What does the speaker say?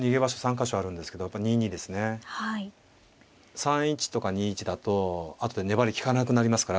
３一とか２一だと後で粘りが利かなくなりますから。